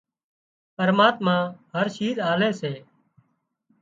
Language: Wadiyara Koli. پرماتما هر شِيز آلي سي